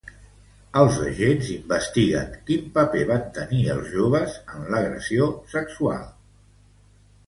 Els agents investiguen quin paper van tenir els joves en l’agressió sexual.